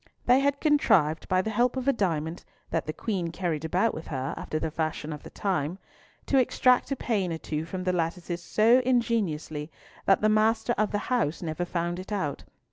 They had contrived by the help of a diamond that the Queen carried about with her, after the fashion of the time, to extract a pane or two from the lattices so ingeniously that the master of the house never found it out.